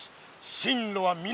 進路は南！